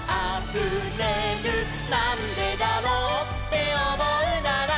「なんでだろうっておもうなら」